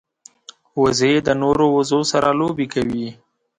وزې د نورو وزو سره لوبې کوي